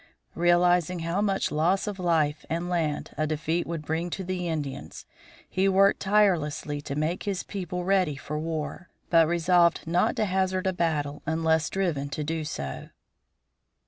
Realizing how much loss of life and land a defeat would bring to the Indians, he worked tirelessly to make his people ready for war, but resolved not to hazard a battle unless driven to do so.